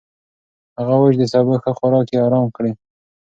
هغه وايي چې د سبو ښه خوراک يې ارام کړی.